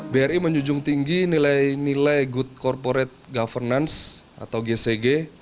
bri menjunjung tinggi nilai nilai good corporate governance atau gcg